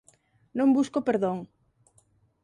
Non busco perdón.